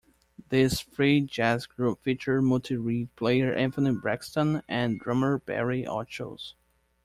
This free jazz group featured multi-reed player Anthony Braxton and drummer Barry Altschul.